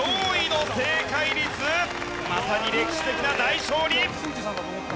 まさに歴史的な大勝利！